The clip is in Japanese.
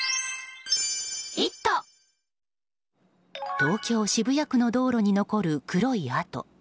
東京・渋谷区の道路に残る黒い跡。